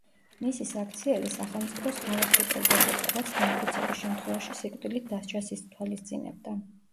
მისი საქციელი სახელმწიფოს ღალატს უტოლდებოდა, რაც, დამტკიცების შემთხვევაში სიკვდილით დასჯას ითვალისწინებდა.